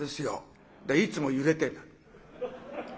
いつも揺れて。